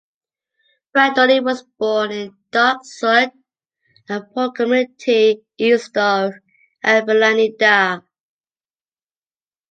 Brandoni was born in Dock Sud, a port community east of Avellaneda.